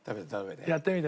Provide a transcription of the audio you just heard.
やってみて。